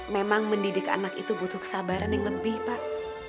memang mendidik anak itu butuh kesabaran yang lebih pak